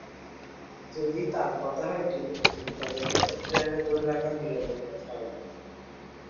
যদি তার কথা হয় টেলিপ্যাথিক, তবে ক্যাসেট প্লেয়ারে ধরে রাখা বিড়ালের কথা হবে।